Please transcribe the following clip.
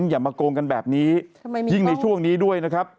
อย่ามาโกงกันแบบนี้ยิ่งในช่วงนี้ด้วยนะครับ